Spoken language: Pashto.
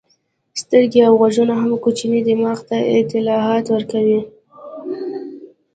سترګې او غوږونه هم کوچني دماغ ته اطلاعات ورکوي.